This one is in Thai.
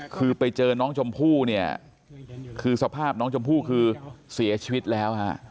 คือไปเจอน้องชมพู่เนี่ยคือสภาพน้องชมพู่คือเสียชีวิตแล้วฮะ